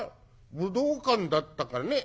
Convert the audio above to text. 「武道館だったかね」。